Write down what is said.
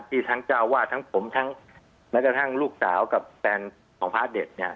ที่ทั้งเจ้าอาวาสทั้งผมทั้งแม้กระทั่งลูกสาวกับแฟนของพระเด็ดเนี่ย